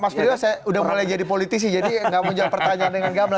iya mas firdaus saya udah mulai jadi politisi jadi nggak mau jawab pertanyaan dengan gamel